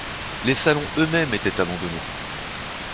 Les salons eux-mêmes étaient abandonnés.